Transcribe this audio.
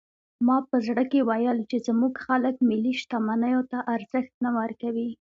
ما په زړه کې ویل چې زموږ خلک ملي شتمنیو ته ارزښت نه ورکوي.